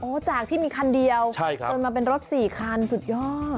จากที่มีคันเดียวจนมาเป็นรถ๔คันสุดยอด